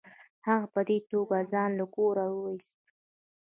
هغه په دې توګه ځان له کوره وایست.